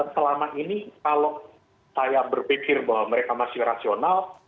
selama ini kalau saya berpikir bahwa mereka masih rasional